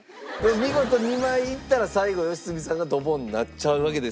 見事２枚いったら最後良純さんがドボンになっちゃうわけです。